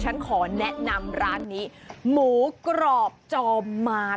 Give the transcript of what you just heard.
ฉันขอแนะนำร้านนี้หมูกรอบจอมมาร